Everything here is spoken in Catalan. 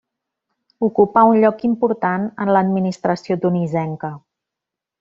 Ocupà un lloc important en l'administració tunisenca.